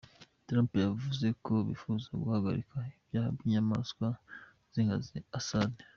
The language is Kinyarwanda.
Trump yavuze ko bifuza guhagarika ibyaha by’inyamaswa y’inkazi Assad.